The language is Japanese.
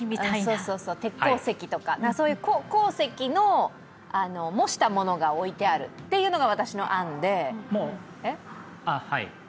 鉄鉱石とか、そういう鉱石の模したものが置いてあるというのが私の案で。